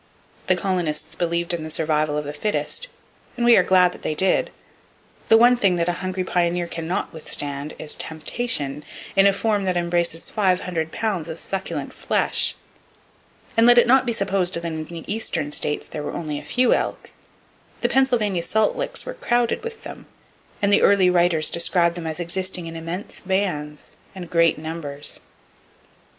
The colonists believed in the survival of the fittest, and we are glad that they did. The one thing that a hungry pioneer cannot withstand is—temptation—in a form that embraces five hundred pounds of succulent flesh. And let it not be supposed that in the eastern states there were only a few elk. The Pennsylvania salt licks were crowded with them, and the early writers describe them as existing in "immense bands" and "great numbers."